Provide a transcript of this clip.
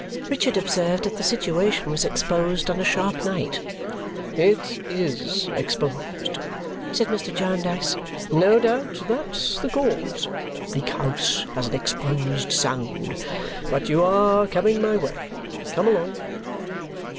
Richard observed that the situation was exposed on a sharp night. "It IS exposed," said Mr. Jarndyce. "No doubt that's the cause. Bleak House has an exposed sound. But you are coming my way. Come along!"